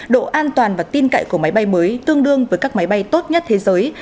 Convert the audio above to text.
độ an toàn và tin cậy của máy bay mới tương đương với các máy bay tốt nhất thế giới